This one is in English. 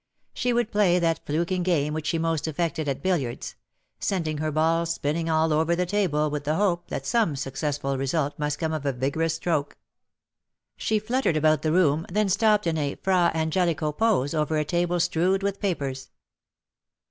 She would play that fluking game which she most afiected at billiards — sending her ball spinning all over the table with the hope that some successful result must come of a vigorous stroke. She fluttered about the room^ then stopped in a Era Angelico pose over a table strewed with papers.